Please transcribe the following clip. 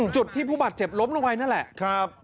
จุดที่ผู้บาดเจ็บล้มลงไปนั่นแหละ